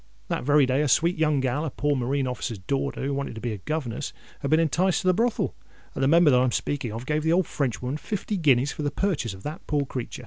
That very day a sweet young gal—a poor marine officer's daughter, who wanted to be a governess—had been enticed to the brothel, and the Member that I'm speaking of gave the old Frenchwoman fifty guineas for the purchase of that poor creatur'."